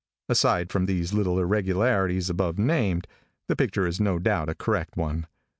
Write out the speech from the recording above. Aside from these little irregularities above named, the picture is no doubt a correct one.